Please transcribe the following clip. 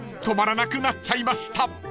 止まらなくなっちゃいました］